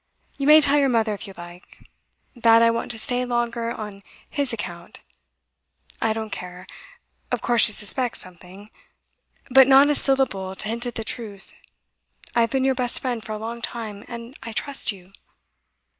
You may tell your mother, if you like, that I want to stay longer on his account. I don't care; of course she suspects something. But not a syllable to hint at the truth. I have been your best friend for a long time, and I trust you.